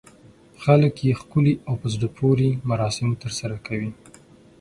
خلک یې ښکلي او په زړه پورې مراسم ترسره کوي.